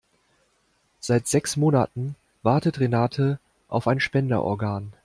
Seit sechs Monaten wartet Renate auf ein Spenderorgan.